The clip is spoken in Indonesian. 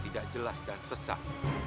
tidak jelas dan sesat